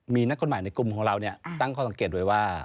มีนักกฎหมายในกลุ่มของเราตั้งข้อสังเกตไว้ว่า